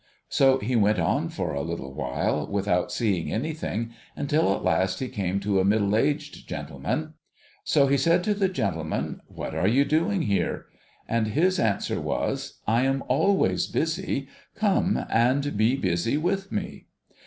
So, he went on for a little while without seeing anything, until at last he came to a middle aged gentleman. So, he said to the gentleman, '\\'hat are you doing THE TRAVELLER AND HIS FRIENDS 39 here?' And his answer was, 'I am ahvays busy. Come and be busy with me